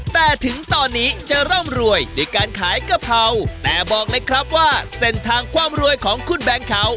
แต่ถึงตอนนี้จะร่ำรวยด้วยการขายกะเพราแต่บอกเลยครับว่าเส้นทางความรวยของคุณแบงค์เขา